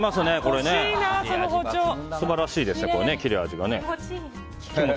素晴らしいですね、切れ味がね。